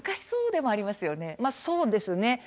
まあそうですね。